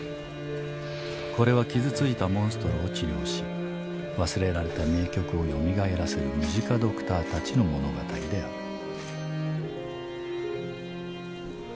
これは傷ついたモンストロを治療し忘れられた名曲をよみがえらせるムジカドクターたちの物語であるうぅ！